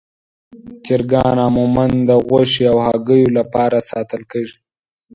چرګان عموماً د غوښې او هګیو لپاره ساتل کېږي.